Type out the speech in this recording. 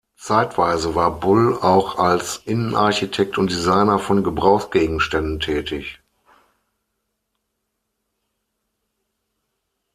Zeitweise war Bull auch als Innenarchitekt und Designer von Gebrauchsgegenständen tätig.